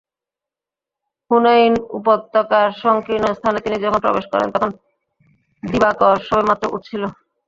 হুনাইন উপত্যকার সংকীর্ণ স্থানে তিনি যখন প্রবেশ করেন তখন দিবাকর সবেমাত্র উঠছিল।